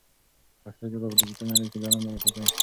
پښتو ژبه په ډیجیټل نړۍ کې ځلانده وساتئ.